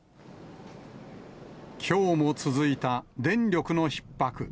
きょうも続いた電力のひっ迫。